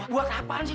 buat apaan sih